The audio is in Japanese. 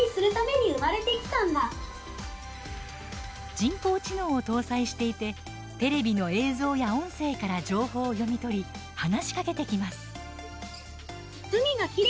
人工知能を搭載していてテレビの映像や音声から情報を読み取り話しかけてきます。